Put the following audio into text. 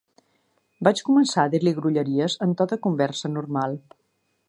Vaig començar a dir-li grolleries en to de conversa normal.